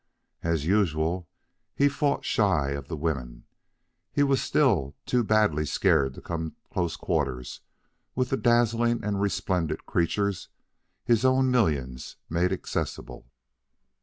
As usual, he fought shy of the women. He was still too badly scared to come to close quarters with the dazzling and resplendent creatures his own millions made accessible.